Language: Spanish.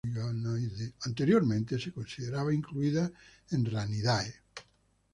Anteriormente se consideraba incluida en Ranidae.